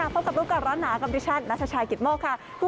เซอรี่ค้างพบกับรู้กันร้านหนะกลับดิฉันทัศน์ชายกิฟต์โมคค่ะคุณ